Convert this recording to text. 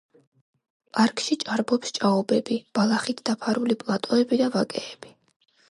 პარკში ჭარბობს ჭაობები, ბალახით დაფარული პლატოები და ვაკეები.